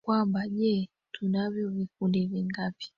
kwamba je tunavyo vikundi vingapi